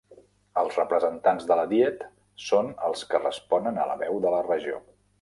Els representants de la Diet són els que responen a la veu de la regió.